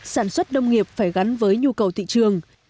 sản xuất nông nghiệp phải gắn với nhu cầu thị trường